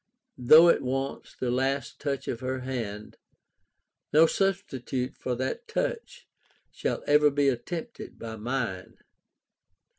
Though it wants the last touch of her hand, no substitute for that touch shall ever be attempted by mine.